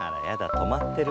止まってる。